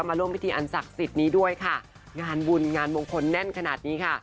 มาร่วมพิธีอันศักดิ์สิทธิ์นี้ด้วยค่ะงานบุญงานมงคลแน่นขนาดนี้ค่ะ